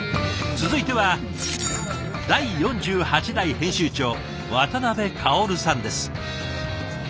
続いては第４８代編集長渡部薫さんです。